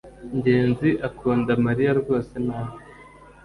ngenzi akunda mariya rwose nabi